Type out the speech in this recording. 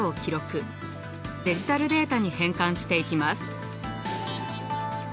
デジタルデータに変換していきます。